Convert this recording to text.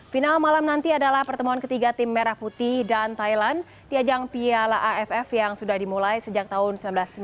final malam nanti adalah pertemuan ketiga tim merah putih dan thailand di ajang piala aff yang sudah dimulai sejak tahun seribu sembilan ratus sembilan puluh